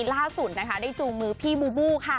ล่าสุดนะคะได้จูงมือพี่มูบูค่ะ